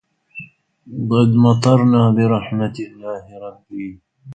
قد مطرنا برحمة الله ربي